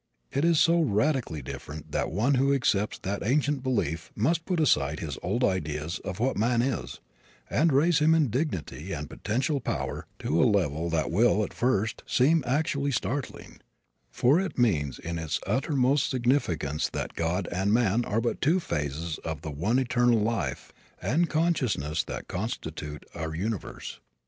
It is so radically different that one who accepts that ancient belief must put aside his old ideas of what man is and raise him in dignity and potential power to a level that will, at first, seem actually startling; for it means, in its uttermost significance that God and man are but two phases of the one eternal life and consciousness that constitute our universe!